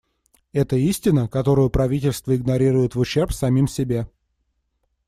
Это истина, которую правительства игнорируют в ущерб самим себе.